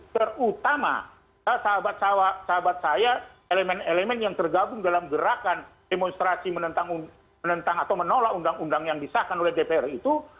terutama sahabat sahabat saya elemen elemen yang tergabung dalam gerakan demonstrasi menentang atau menolak undang undang yang disahkan oleh dpr itu